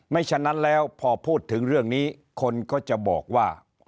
ฉะนั้นแล้วพอพูดถึงเรื่องนี้คนก็จะบอกว่า